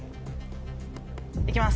行きます。